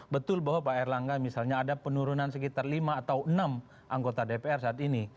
betul bahwa pak erlangga misalnya ada penurunan sekitar lima atau enam anggota dpr saat ini